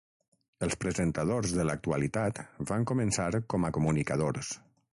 Els presentadors de l"actualitat van començar com a comunicadors.